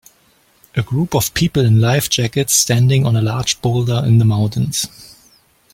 A group of people in life jackets standing on a large boulder in the mountains.